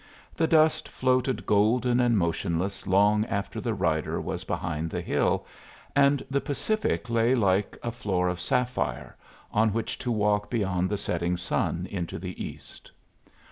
The dust floated golden and motionless long after the rider was behind the hill, and the Pacific lay like a floor of sapphire, on which to walk beyond the setting sun into the East.